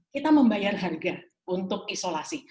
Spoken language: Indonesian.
kita membayar harga untuk isolasi